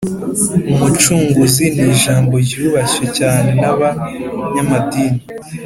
Umucunguzi ni ijambo ryubashywe cyane n’abanyamadini